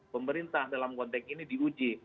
pemerintah dalam konteks ini diuji